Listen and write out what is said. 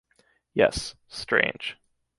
Yes, strange.